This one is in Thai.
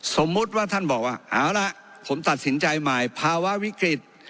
สมมุติว่าท่านบอกว่าเอาล่ะผมตัดสินใจใหม่ภาวะวิกฤต